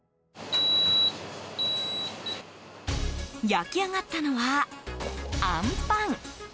焼き上がったのは、あんぱん。